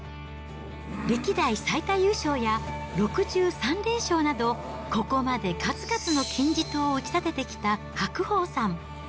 歴代最多優勝や、６３連勝など、ここまで数々の金字塔を打ち立ててきた白鵬さん。